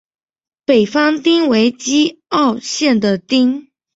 北方町为岐阜县的町。